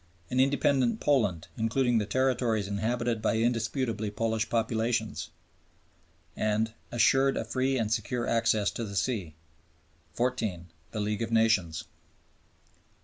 An independent Poland, including "the territories inhabited by indisputably Polish populations" and "assured a free and secure access to the sea." (14). The League of Nations.